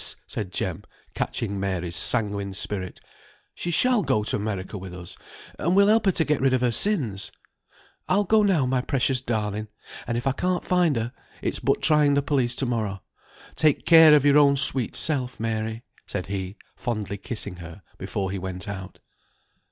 said Jem, catching Mary's sanguine spirit; "she shall go to America with us; and we'll help her to get rid of her sins. I'll go now, my precious darling, and if I can't find her, it's but trying the police to morrow. Take care of your own sweet self, Mary," said he, fondly kissing her before he went out.